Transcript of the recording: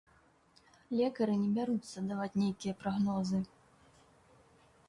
Лекары не бяруцца даваць нейкія прагнозы.